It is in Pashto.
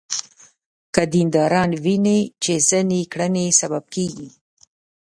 که دینداران ویني چې ځینې کړنې سبب کېږي.